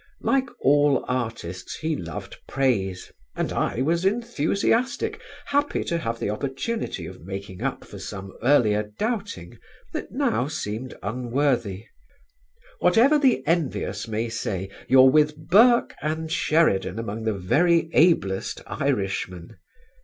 Like all artists, he loved praise and I was enthusiastic, happy to have the opportunity of making up for some earlier doubting that now seemed unworthy: "Whatever the envious may say, you're with Burke and Sheridan, among the very ablest Irishmen....